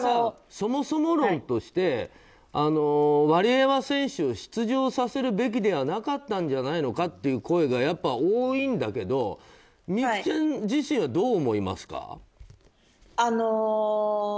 そもそも論としてワリエワ選手を出場させるべきではなかったんじゃないのかという声がやっぱり多いんだけど美姫ちゃん自身はどう思いますか。